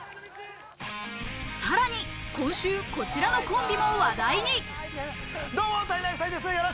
さらに今週、こちらのコンビも話題に。